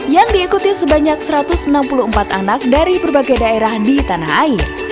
yang diikuti sebanyak satu ratus enam puluh empat anak dari berbagai daerah di tanah air